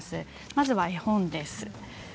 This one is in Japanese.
まずは絵本です。